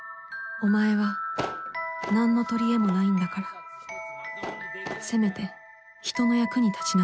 お前はなんの取り柄もないんだからせめて人の役に立ちなさい